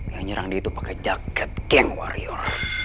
yang nyerang dia itu pakai jaket geng warrior